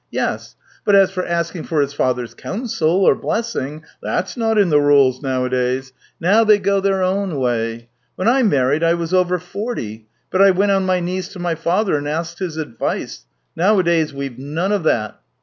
Yes. But as for asking for his father's counsel or blessing, that's not in the rules nowadays. Now they go THREE YEARS 219 their own way. When I married I was over forty, but I went on my knees to my father and asked his advice. Nowadays we've none of that."